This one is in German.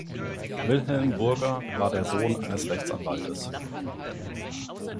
Wilhelm Burger war der Sohn eines Rechtsanwaltes.